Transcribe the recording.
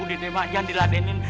udah deh mak jangan diladenin